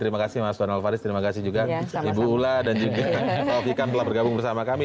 terima kasih mas donald faris terima kasih juga ibu ula dan juga prof ikan telah bergabung bersama kami